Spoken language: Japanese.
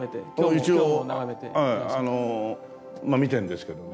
一応見てるんですけどね。